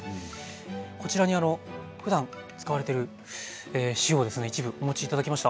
こちらにふだん使われている塩をですね一部お持ち頂きました。